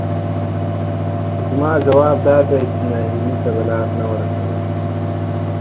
زما ځواب دادی چې نهیلۍ ته به لار نه ورکوو،